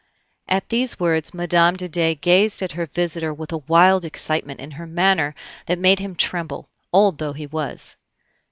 At these words Mme. de Dey gazed at her visitor with a wild excitement in her manner that made him tremble, old though he was.